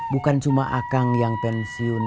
bukan cuma akang yang pensiun